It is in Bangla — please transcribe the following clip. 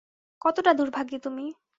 কতটা দুর্ভাগী তুমি?